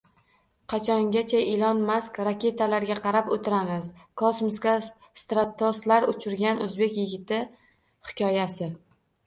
«Qachongacha Ilon Maskning raketalariga qarab o‘tiramiz?» - kosmosga stratostat uchirgan o‘zbek yigiti hikoyasi